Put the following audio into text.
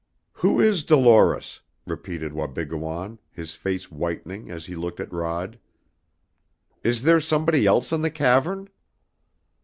"Who is Dolores?" repeated Wabigoon, his face whitening as he looked at Rod. "Is there somebody else in the cavern?"